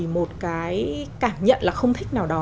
một cái cảm nhận là không thích nào đó